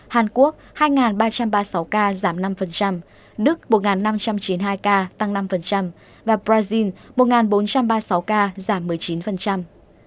hàn quốc hai ba trăm ba mươi sáu ca giảm năm đức một năm trăm chín mươi hai ca tăng năm và brazil một bốn trăm ba mươi sáu ca giảm một mươi chín